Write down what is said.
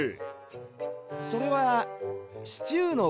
それはシチューのことですか？